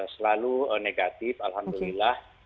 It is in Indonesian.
selalu negatif alhamdulillah